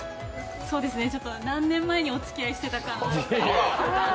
そうですね、ちょっと何年前におつきあいしてたかなと。